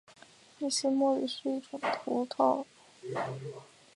埃斯莫里斯是葡萄牙阿威罗区的一个堂区。